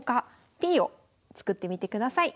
Ｐを作ってみてください。